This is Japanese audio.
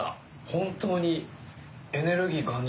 本当にエネルギー感じる。